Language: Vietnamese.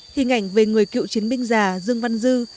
hình ảnh về người cựu chiến binh già dương văn dư